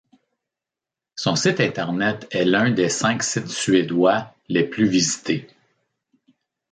Son site Internet est l'un des cinq sites suédois les plus visités.